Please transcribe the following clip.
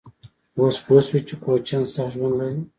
_اوس پوه شوې چې کوچيان سخت ژوند لري؟